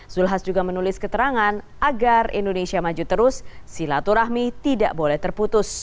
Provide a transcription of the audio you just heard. zulkifli hasan juga menulis keterangan agar indonesia maju terus silaturahmi tidak boleh terputus